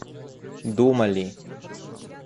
думали